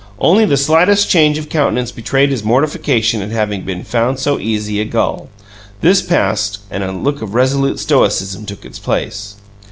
Only the slightest change of countenance betrayed his mortification at having been found so easy a gull; this passed, and a look of resolute stoicism took its place.